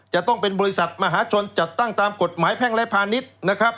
จะต้องเป็นบริษัทมหาชนจัดตั้งตามกฎหมายแพ่งและพาณิชย์นะครับ